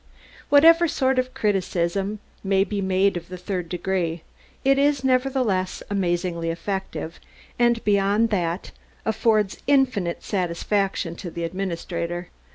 Whatever sort of criticism may be made of the "third degree," it is, nevertheless, amazingly effective, and beyond that, affords infinite satisfaction to the administrator.